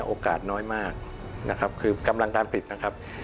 โอกาสน้อยมากนะครับคือกำลังการปิดนะครับ